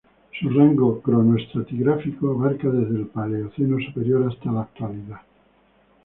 Su rango cronoestratigráfico abarca desde el Paleoceno superior hasta la actualidad.